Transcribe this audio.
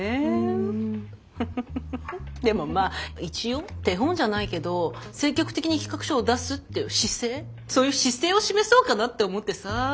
でもまあ一応手本じゃないけど積極的に企画書を出すっていう姿勢そういう姿勢を示そうかなって思ってさ。